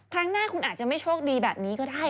ครั้งหน้าคุณอาจจะไม่โชคดีแบบนี้ก็ได้